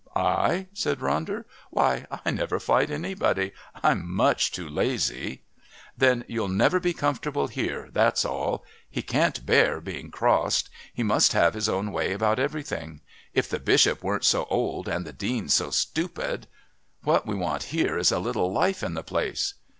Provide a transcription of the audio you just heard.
"I?" said Ronder. "Why, I never fight anybody. I'm much too lazy." "Then you'll never be comfortable here, that's all. He can't bear being crossed. He must have his way about everything. If the Bishop weren't so old and the Dean so stupid.... What we want here is a little life in the place."